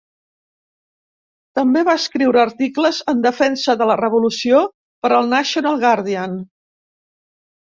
També va escriure articles en defensa de la Revolució per al National Guardian.